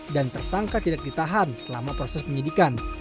dan tersangka tidak ditahan selama proses penyidikan